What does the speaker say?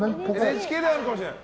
ＮＨＫではあるかもしれない。